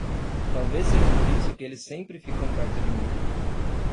Talvez seja por isso que eles sempre ficam perto de mim.